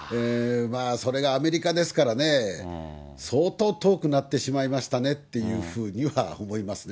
それがアメリカですからね、相当遠くなってしまいましたねっていうふうには思いますね。